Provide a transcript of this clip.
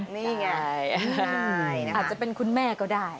นี่ไงอาจจะเป็นคุณแม่ก็ได้